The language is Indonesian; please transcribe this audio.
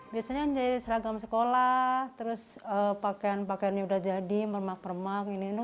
biasanya menjahit seragam sekolah terus pakaian pakaian yang sudah jadi memak remah menele